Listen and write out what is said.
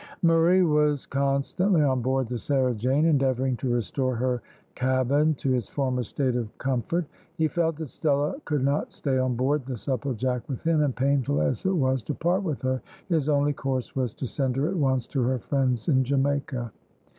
Murray was constantly on board the Sarah Jane, endeavouring to restore her cabin to its former state of comfort. He felt that Stella could not stay on board the Supplejack with him, and painful as it was to part with her, his only course was to send her at once to her friends in Jamaica.